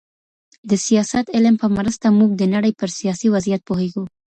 د سیاست علم په مرسته موږ د نړۍ پر سیاسي وضعیت پوهېږو.